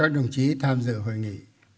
đồng chí tham dự hội nghị